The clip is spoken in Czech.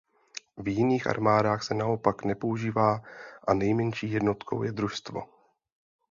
V jiných armádách se naopak nepoužívá a nejmenší jednotkou je družstvo.